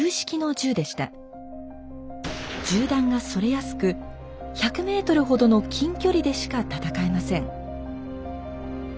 銃弾がそれやすく１００ｍほどの近距離でしか戦えません。